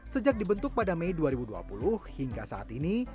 sejak dibentuk pada mei dua ribu dua puluh hingga saat ini